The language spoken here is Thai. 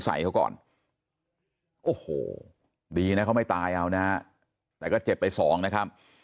ใส่เขาก่อนโอ้โหดีนะเขาไม่ตายเอานะฮะแต่ก็เจ็บไปสองนะครับ